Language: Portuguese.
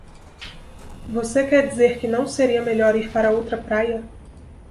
Você quer dizer que não seria melhor ir para outra praia?